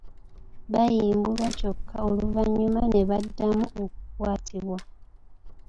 Baayimbulwa kyokka oluvannyuma ne baddamu okukwatibwa.